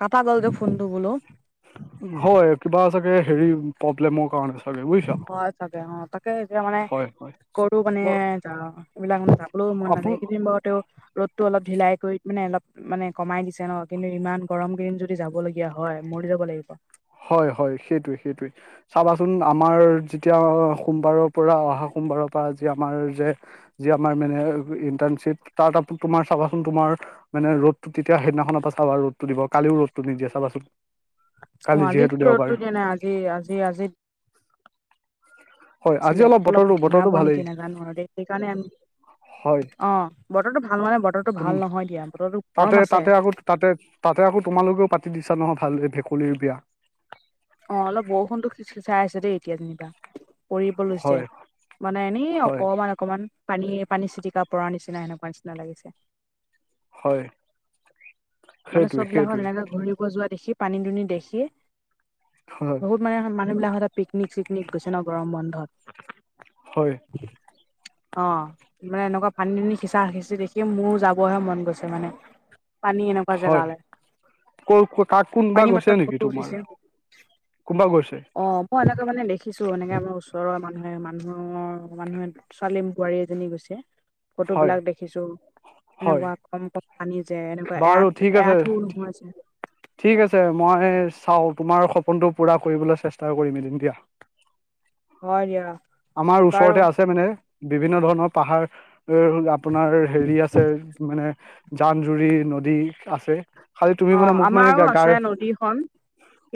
কটা গ'ল যে ফোনটো বোলো। হয় কিবা চাগে হেৰি প্ৰব্লেমৰ কাৰণে চাগে বুজিছা। অ দে অ তাকে এতিয়া মানে- হয় হয় কতো মানে বা যা এইবিলাক মানে যাবলৈও মন নাযায় আপোন এইকেইদিন বাৰু তেওঁ ৰ'দ- টো অলপ ঢিলাই কৰি মানে অলপ মানে কমাই দিছে ন কিন্তু ইমান গৰম কেইদিন যদি যাব লগীয়া হয় মৰি যাব লাগিব। হয় হয় সেইটোৱে, সেইটোৱে। চাবাচোন আমাৰ যেতিয়া সোমবাৰৰ পৰা অহা সোমবাৰৰ পৰা আজি আমাৰ যে যি আমাৰ মানে ইণ্টাৰ্ণশ্বিপ তাৰ তোমাৰ চাবাচোন তোমাৰ মানে ৰ'দটো তেতিয়া সেইদিনাখনৰ পৰা চাবা ৰদটো দিব কালিও ৰ'দটো নিদিয়ে চাবাচোন। অঁ কালি যিহেতু আজিক দেওবাৰ ৰদটো দিয়া নাই। আজি আজি আজি উ আছিলে অলপ ধিমাব নেকি নাজানো আৰু দেই সেইকাৰণে আমি হয় অঁ বতৰটো ভাল মানে বতৰটো তুম ভাল নহয় দিয়া বতৰটো তাতে গৰম আছে। তাতে আকৌ তাতে তাতে আকৌ তোমালোকেও পাতি দিছা নহয় ভাল এই ভেকুলীৰ বিয়া। অ অলপ বৰষুণটো খিছখিচাই আছে দেই এতিয়া যেনিবা। কৰিব লৈছে হয় মানে এনে হয় অকমান অকমান- পানীয়ে পানী চিটিকা পৰাৰ নিচিনা সেনেকুৱা নিচিনা লাগিছে। হয়। মানে সেইটোৱে চববিলাকখন সেইটোৱে এনেকে ঘূৰিব যোৱা দেখি পানী দুনি দেখি- হয়। বহুত মানে মানুবিলাকত- পিকনিক চিকনিক গৈছে ন গৰম বন্ধত। হয় অ মানে এনেকুৱা পানী-দুনি সিঁচা সিঁচি দেখি মোৰ যাবহে মন গৈছে মানে। পানী এনেকুৱা জেগালে। কৰ কাক কোনোবা পানী গৈছে মাত্ৰাত নেকি ফটো উঠিছে তোমাৰ কোনবা গৈছে? অ, মই এনেকে মানে দেখিছো। এনেকে আমাৰ ওচৰৰ মানুহে মানুহৰ মানুহে ছোৱালী বোৱাৰী এজনী গৈছে। ফটো হয় বিলাক দেখিছো, হয় এনেকুৱা কম-কম পানী যে এনেকুৱা বাৰু এক ঠিক আছে। ঠিক আছে মই চাও তোমাৰ সপোনটো পূৰা কৰিবলৈ চেষ্টা কৰিম এদিন দিয়া। হয় দিয়া। আমাৰ বাৰু ওচৰতে আছে মানে বিভিন্ন ধৰণৰ পাহাৰ। এ আপোনাৰ হেৰি আছে মানে জান-জুৰি নদী আছে। খালি তুমি অ, মানে মোক মানে আমাৰো আছে গাড়ী নদীখন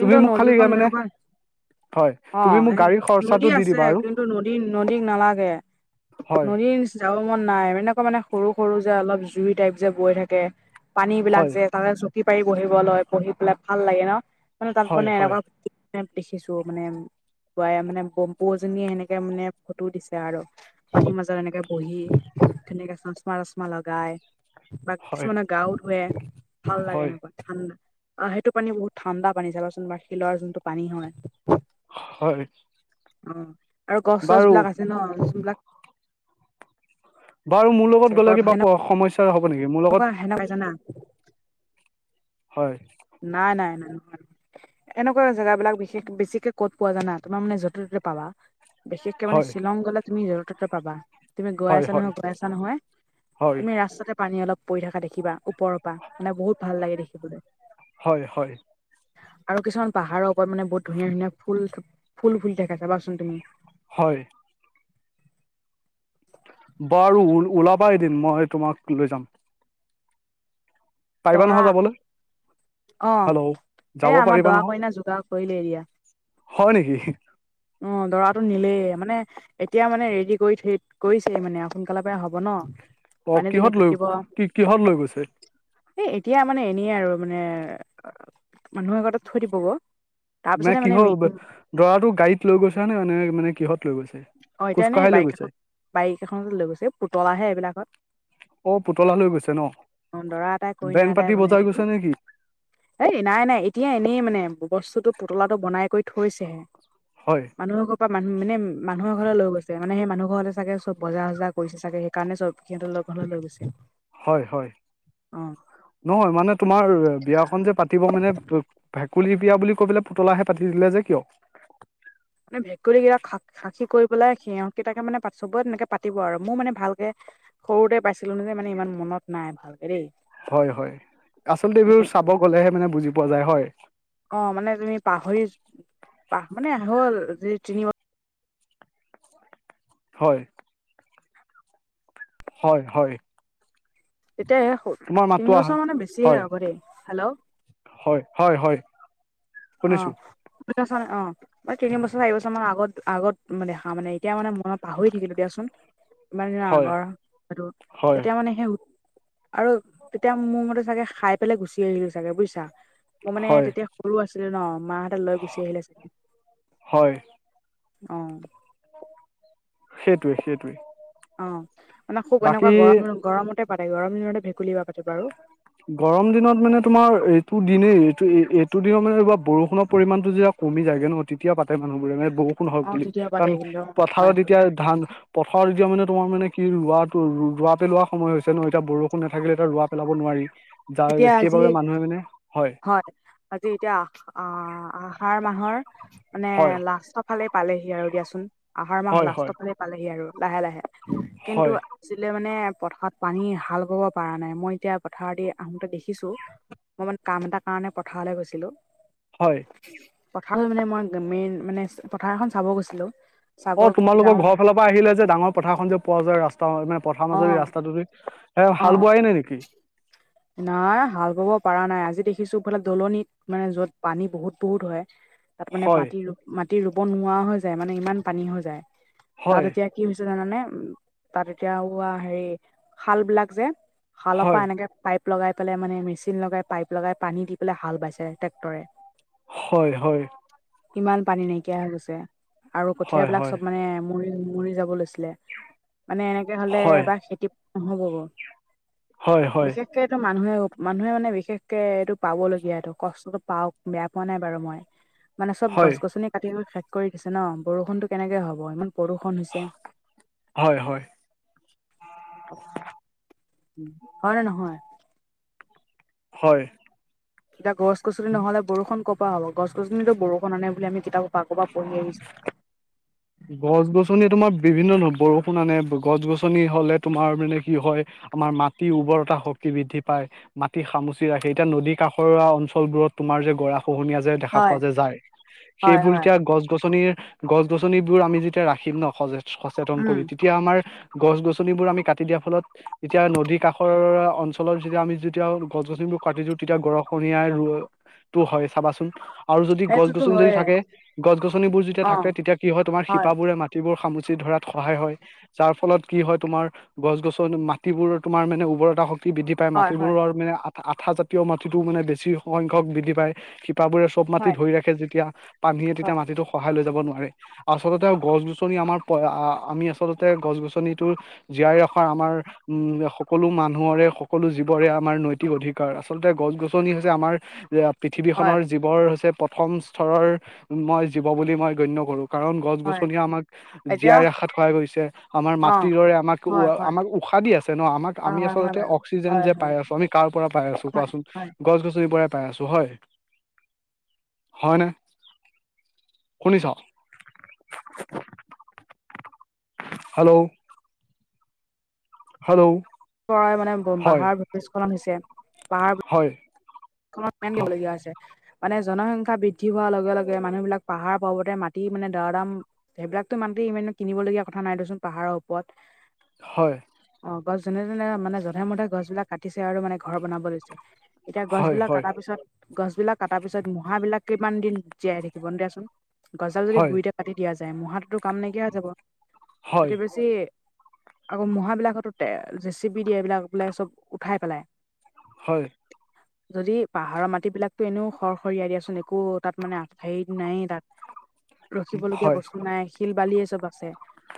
তুমি মোক খালি নদীখন মানে হেনেকোৱা হয় অ, তুমি মোক গাড়ীৰ খৰচাটো নদী দি আছে দিবা আৰু কিন্তু নদ দী নদীক নালাগে। হয় নদীৰ যাব মন নাই এনেকুৱা মানে সৰু-সৰু যে অলপ জুই টাইপ যে বৈ থাকে। পানী বিলাক হয় যে, তাকে চকী পাৰি বহিব লয় বহি পেলাই ভাল লাগে ন, মানে তাত হয় মানে হয় এনেকুৱা দেখিছো মানে পুৱাই মানে বম্পু এজনীয়ে সেনেকে মানে ফটো দিছে আৰু। পানীৰ মাজত এনেকে বহি ধুনীয়াকে চচমা-টচমা লগাই। বা হয় কিছুমানে গা ধুুৱে ভাল লাগে হয় এনেকুৱা। ঠাণ্ডা সেইটো পানী বহুত ঠাণ্ডা পানী চাবাচোন বা শিলৰ যোনটো পানী হয়। হয়। অ, আৰু গছ-চছ বাৰু বিলাক আছে ন, গছবিলাক বাৰু মোৰ লগত গ'লে কিবা সমস্যা হ'ব নেকি? মোৰ লগত, সেনাকাই জানা, হয়। নাই-নাই-নাই-নাই। এনেকুৱা জেগাবিলাক বিশেষ বেছিকে ক'ত পোৱা জানা, তোমাৰ মানে য'তে-ত'তে পাবা। বিশেষকে মানে হয় শ্বিলং গলে তুমি যতে-ততে পাবা। তুমি গৈ হয় আছা হয় নহয়, গৈ আছা নহয় হয় তুমি ৰাস্তাতে পানী অলপ পৰি থকা দেখিবা ওপৰৰ পৰা মানে বহুত ভাল লাগে দেখিবলে। হয়-হয়। আৰু কিছুমান পাহাৰৰ ওপৰত মানে বহুত ধুনীয়া-ধুনীয়া ফুল, ফুল ফুলি থাকে চাবাচোন তুমি। হয়। বাৰু ওলাবা এদিন মই তোমাক লৈ যাম। পাৰিবা দৰা নহয় যাবলে? অ, এ আমাৰ পাৰিবা দৰা নহয় কইনা যোগাৰ কৰিলে এৰিয়া। হয় নেকি? অ, দৰাটো নিলেই মানে, এতিয়া মানে ৰেডি কৰি থৈ কৰিছেই মানে সোনকালে পৰাই হ'ব ন। অঁল, পানী দুনি কিহত লৈ তুলিব কি কিহত লৈ গৈছে? এ এতিয়া মানে এনেইে আৰু মানে মানুহৰ আগ থৈ দিব গ। তাৰ পিছতে মানে কিহৰ মেইন দৰাটো গাড়ীত লৈ গৈছা নে, এনে মানে কিহত লৈ গৈছা? অ, এতিয়ানে বাইক এখন বাইক এখন লৈ গৈছে পুতলাহে এইবিলাকত। অ, পুতলা লৈ গৈছে ন? অ দৰা এটাই কইনা বেন এটাই পাতি বনাই বজাই গৈছে নেকি? এই নাই-নাই এতিয়া এনেই মানে বস্তুটো পুতলাটো বনাই কৰি থৈছেহে। হয়। মানুহৰ পৰা মানুহ মানে মানুহৰ ঘৰলৈ লৈ গৈছে, মানে সেই মানুহ ঘৰলে চাগে চব বজাৰ চজাৰ কৰিছে চাগে? সেইকাৰণে চব সিহঁতৰ ঘৰলৈ লৈ গৈছে। হয়-হয়, অ নহয় মানে তোমাৰ বিয়াখন যে পাতিব মানে ভেকুলী বিয়া বুলি কৈ পেলাই পুতলাহে পাতি দিলে যে কিয়? মানে ভেকুলী বিয়া খাক খাকী কৰি পেলাই সিহতকেইটাকে মানে পাত চব তেনেকে পাতিব আৰু মোৰ মানে ভালকে। সৰুতে পাইছিলো মানে মানে ইমান মনত নাই ভালকে দেই। হয়-হয় আচলতে মানে এইবোৰ চাব গ'লেহে মানে বুজি পোৱা যায় হয়। অ, মানে তুমি পাহৰি পাহ মানে হ'ল যি তিন বছৰ হয়। হয়-হয়। তে মাতো তিনি আহা বছৰ মানে বেছিহে হ'ব দেই। হেল্ল', হয়-হয়-হয়। অ, [unintelligible] অ, মানে তিন বছৰ চাৰিবছৰ মান আগত-আগত ম দেখা মানে এতিয়া মানে মই পাহৰি থাকিলো দিয়াচোন। ইমান দিনৰ হয় আগৰ সেইটো হয় এতিয়া মানে সেই আৰু তেতিয়া মোৰ মতে চাগে খাই পেলাই গুচি আহিলো চাগে বুজিছা, মই মানে হয় তেতিয়া সৰু আছ ছিলো ন মাহতে লৈ গুচি আহিলে ছাগে আছিলে হয় অ, সেইটোৱে-সেইটোৱেই। অ, মানে খুব এনেকুৱা গৰম-গৰমতে পাতে গৰম দিনতে ভেকুলী বিয়া পাতে বাৰু। গৰম দিনত মানে তোমাৰ এইটো দিনেই এইটো-এইটো দিনত মানে বৰষুণৰ পৰিমানটো যে কমি যায়গে ন তেতিয়া পাতে মানুহবোৰে মানে বৰষুণহওক অঁ বুলি, তেতিয়া পাতে কাৰণ কিন্তু অ, হয় পথাৰত হয় এতিয়া ধান পথাৰত এতিয়া মানে তোমাৰ মানে কি ৰোৱাটো-ৰোৱা পেলোৱা সময় হৈছে ন, এতিয়া বৰষুণ নাথাকিলে এতিয়া ৰোৱা পেলাব নোৱাৰি। এতিয়া যাৰ আজি সেইবাবে মানুহে মানে হয়। আজি এতিয়া আহ-আহাৰ মাহৰ মানে হয়। লাষ্টৰ ফালে পালেহি আৰু দিয়াচোন, আহাৰ মাহ হয় হয় লাষ্টৰ ফালে পালেহি আৰু লাহে-লাহে। হয় কিন্তু আজিলে মানে পথাৰত পানী হাল বাৱ পৰা নাই, মই এতিয়া পথাৰ দি আহোতে দেখিছো, মই মানে কাম এটা কাৰণে পথাৰলে গৈছিলো। হয়। পথাৰটো মানে মই মেইন, মানে পথাৰ এখন চাব গৈছিলো। চাব অ, তোমালোকৰ যাওঁ ঘৰ ফালৰ পৰা আহিলে যে ডাঙৰ পথাৰখন যে পোৱা যায় ৰাস্তা নে পথাৰ মাজদি অঁ ৰাস্তাটোদি। এ অঁ হাল বোৱাই নাই নেকি? নাই হাল বাব পাৰা নাই, আজি দেখিছো ফালে দলনিত মানে যত পানী বহুত-বহুত হয়। তাত মানে হয় মাটি-মাটি ৰুব নোৱাৰা হৈ যায় মানে ইমান পানী হৈ যায়। হয় তাত এতিয়া কি হৈছে জানানে উম, তাত এতিয়া উৱা হেৰি খাল বিলাক যে হালৰ পৰা হয় এনেকে পাইপ লগাই পেলাই মানে মেচিন লগাই পাইপ লগাই পানী দি পেলাই হাল বাইছে ট্ৰেক্টৰে। হয়-হয়। ইমান পানী নাইকিয়া হৈ গৈছে আৰু কঠিয় হয় বিলাক হয় চব মানে মৰি-মৰি যাব লৈছিলে মানে এনেকে হলে হয়, এবাৰ খেতি নহ'ব। হয়-হয়। এইটোৱেটো মানুহে-মানুহে মানে বিশেষকে এইটো পাবলগীয়াটো কষ্টটো পাওক, বেয়া পোৱা নাই বাৰু মই। মানে চব হয়, গছ-গছনি কাটি দেখোন শেষ কৰি দিছে ন বৰষুনতো কেনেকে হব ইমান বৰোষন হৈছে। হয়-হয়। হয় নে নহয়? হয়। এতিয়া গছ গছনি নহলে বৰুষন ক পা হব গছ-গছনিতো বৰুষণ আনে বুলি আমি কিতাপত আগৰপৰা পঢ়ি আহিছো। গছ-গছনি তোমাৰ বিভিন্ন ন বৰষুণ আনে গছ -গছনি হলে তোমাৰ মানে কি হয় আমাৰ মাটিৰ উৰ্বৰতা শক্তি বৃদ্ধি পায়। মাটি সামুচি ৰাখে এতিয়া নদী কাষৰোয়া অঞ্চলবোৰত তোমাৰ যে গৰা খহনীয়া যে দেখা হয় পোৱা যে যায় হয় সেইবোৰ হয় এতিয়া গছ-গছনিৰ, গছ-গছ গছনিবোৰ আমি যেতিয়া ৰাখিম ন সজে সচেতন উম কৰি তেতিয়া আমাৰ গছ গছনিবোৰ আমি কাটি দিয়াৰ ফলত ইতিয়া নদী কাষৰ অঞ্চলত যেতিয়া আমি যেতিয়াও গছ-গছনিবোৰ কাটি দিও তেতিয়া গৰাখহীয়ায় ৰ টো হয় চাবাচোন। আৰু যদি সেইটোতো গছ-গছনি যদি হয়ে থাকে গছ-গছনিবোৰ যেতিয়া অ থাকে তেতিয়া কি হয় তোমাৰ শিপাবোৰে মাত তিবোৰ সামুচি ধৰাত সহায় হয়। যাৰ ফলত কি হয় তোমাৰ গছ গছনী মাটিবোৰ তোমাৰ মানে উৰ্বৰতা শক বৃদ্ধি পায় হয় হয় মাটিবোৰৰ মানে আ আঠা জাতীয় মাটিটো মানে বেছি সংখ্যক বৃদ্ধি পায় শিপাবোৰে চব মাটি হয় ধৰি ৰাখে যেতিয়া পানীয়ে হয় তেতিয়া মাটিটোক খহায় লৈ যাব নোৱাৰে। আচলতে গছ গছনি আমাৰ পয় আ আমি আচলতে গছ গছনিটো জীয়াই ৰখাৰ আমাৰ উম সকলো মানুহৰে সকলো জীৱৰে আমাৰ নৈতিক অধিকাৰ আচলতে গছ গছনি হৈছে আমাৰ যে হয় পৃথিৱীখনৰ জীৱৰ হৈছে প্ৰথম স্থৰৰ মই জীৱ বুলি মই গণ্য কৰো। কাৰণ গছ হয় গছনিয়ে আমাক এতিয়া জীয়াই ৰাখাত সহায় কয়িছে। আমাৰ অ মাটিৰ ৰৰে আমাক হয় উৱা হয় আমাক উশাহ দি আছে ন আমাক হয় আমি হয় হয় আচলতে বাৰু অক্সিজেন হয় যেপ হয় পাই আছো আমি কাৰ পৰা পাই আছো হয় কোৱাচোন হয় গছ গছনি পৰাই পাই আছো হয় হয় নে শুনিছ। হেলৌ। হেলৌ। পৰাই মানে বা বাহাৰ ভূমিস্খলন হৈছে বাহাৰ হয়। ক মত পেম হয় দিবলগীয়া হৈছে। মানে জনসংখ্যা বৃদ্ধি হোৱাৰ লগে লগে মানুহবিলাক পাহাৰ পৰ্বতে মাটি মানে দৰাদাম সেইবিলাকতো মানতি ইমান কিনিব লগীয়া কথা নাই দেচোন পাহাৰৰ ওপৰত। হয়। অঁ গছ যোনে যোনে মানে জধে মধে গছ বিলাক কাটিছে আৰু মানে ঘৰ বনাব লৈছে। এতিয়া গছ হয় বিলাক হয় কাটা পিছত গছ বিলাক কাটা পিছত মোহ়াবিলাক কিমান দিন জীয়াই থাকিব দেচোন। গছজাল যদি হয় গুৰিতে কাটি দিয়া যায় ম়োহাতোতো কাম নাইকিয়া হৈ যাব হয় অতিবিজ যি আকৌ মোহাবিলাক তোতে জেচিপি দিয়ে এইবিলাক বোলে চব উঠাই পেলাই। হয়। যদি পাহাৰৰ মাটিবিলাকতো এনেও খৰ খৰিয়াই দিয়াচোন একো তাত মানে আগ হাৰি নাইয়ে তাত। ৰখিবলগীয়া বস্তু নাই, শিল বালিয়ে চব আছে।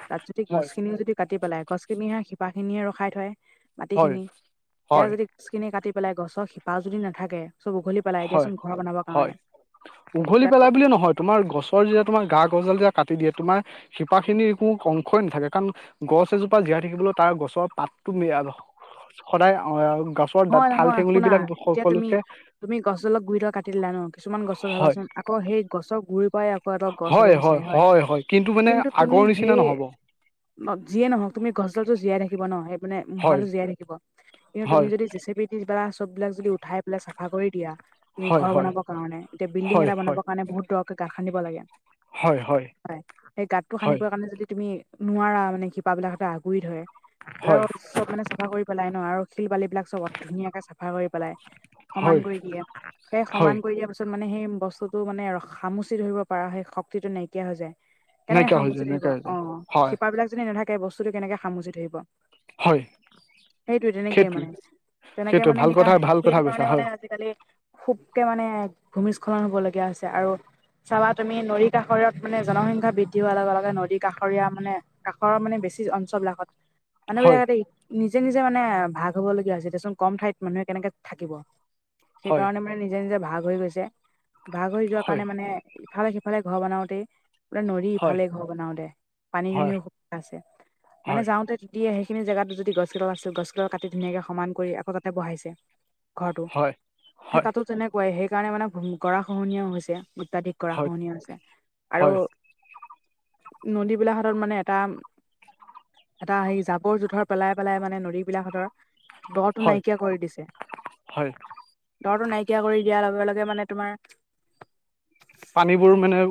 তাত যদি হয় গছ খিনি যদি কাটি পেলাই, গছখিনিহে শিপা খিনিহে ৰখাই থয়, হয় মাটিখিনি, এতিয়া হয় যদি গছ কিনি কাটি পেলাই গছৰ শিপা যদি নাথাকে, চব উঘলি পেলাই হয় দিয়াচোন ঘৰ বনাব হয় কাৰণে উঘলি তাত পেলাই বুলিয়ে নহয় তোমাৰ গছৰ যেতিয়া তোমাৰ গা গছডাল যেতিয়া কাটি দিয়ে তোমাৰ শিপাখিনিৰ একো অংশই নাথাকে কাৰণ গছ এজোপা জীয়াই থাকিবলেও তাৰ গছৰ পাতটো মি য়া সদায় অ গছ বৰদাত নহয় ঠাল নহয় ঠেঙুলী শুনা বিলাক এতিয়া তুমি সকলোতকে তুমি গছডালক গুৰি ডাল কাটি দিলা ন কিছুমান গছ হয় চাবাচোন আকৌ সেই গছৰ গুৰিৰ পৰাই আ কৌ এডাল গছ হ'ব হয় বিচাৰে হয় মানে কিন্তু তুমি আগৰ নিচিনা সেই নহ'ব মক যিয়ে নহওক তুমি গছডালতো জীয়াই থাকিব ন সেই পিনে হয় মোহাটো জীয়াই থাকিব কিন্তু, তুমি হয় যদি জেচিপি দি বা চবিলাক যদি উঠাই পেলাই চাফা কৰি দিয়া তুমি হয় ঘৰ হয় বনাব কাৰণে এতিয়া বিল্ডিং হয় এটা হয় বনাবৰ কাৰণে বহুত দ'কে গাত খানিব লাগে। হয় সেই গাতটো খানিব হয় কাৰণে যদি তুমি নোৱাৰা মানে শিপাবিলাহতে আগুৰি ধৰে এ হয় চব মানে চাফা কৰি পেলাই ন আৰু শিল বালি বিলাক, চবত ধুনীয়াকে চাফা কৰি পেলাই সমান হয় কৰি দিয়ে। সেই সমান হয় কৰি দিয়া পাছত- ত মানে সেই বস্তুতো মানে খামুচি ধৰিব পাৰা সেই শক্তিটো নাইকিয়া হৈ যায়। কেনেকে নাইকিয়া হৈ খামুচি যায় ধৰিব, নাইকিয়া হৈ অ যায় হয় শিপাবিলাক যদি নাথাকে বস্তুটো কেনেকে খামুচি ধৰিব। হয় সেইটোৱে তেনেকেই সেইটোৱে মানে। তেনেকে সেইটোৱে মানে ভাল কথা ভাল সেইকাৰণে কথা কৈছা সেইটোকাৰণে মানে হয় আজিকালি, খুবকে মানে ভূমিস্খলন হবলগীয়া হৈছে। আৰু চাবা তুমি নৰী কাষৰীয়ত মানে জনসংখ্যা বৃদ্ধি হোৱাৰ লগে লগে নদী কাষৰীয়া মানে, কাষৰৰ মানে বেছি অঞ্চল বিলাকত মানুহ হয় বিলাকতে নিজে নিজে মানে ভাগ হবলগীয়া হৈছিল। দেচোন কম ঠাইত মানুহে কেনেকে থাকিব। হয় সেইকাৰণে মানে নিজে নিজে ভাগ হৈ গৈছে। ভাগ হৈ যোৱা হয় কাৰণে মানে ইফালে সিফালে ঘৰ বনাওতেই, পুৰা নদী হয় ইফালে ঘৰ বনাও দে পানী হয় দুনিৰো সুবিধা আছে, মানে হয় যাওঁতে দিয়ে সেইখিনি জেগাতো যদি গছবিলাক আছিল, গছিবিলাক কাটি ধুনীয়াকে সমান কৰি আকৌ তাতে বহাইছে। ঘৰটো। হয় সেই হয় তাতো তেনেকুৱাই, সেই কাৰণে মানে গড়া খহনীয়াও হৈছে অত্যাধিক। হয় গঢ়াখহনীয়া হৈছে, আৰু হয় নদী বিলাক সদায় মানে এটা এটা সেই জাবৰ জোথৰ পেলাই পেলাই মানে নদীবিলাক সঁতৰ, গড়াটো হয় নাইকিয়া কৰি দিছে। হয় গড়াটো নাইকিয়া কৰি দিয়াৰ লগে লগে মানে তোমাৰ, পানীবোৰ মানে